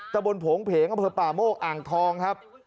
ตะบนโผงเพงอำเภอป่าโมกอ่างทองครับ